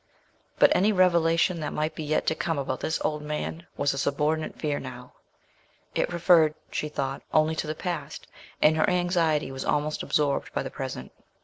But any revelation that might be yet to come about this old man was a subordinate fear now: it referred, she thought, only to the past, and her anxiety was almost absorbed by the present.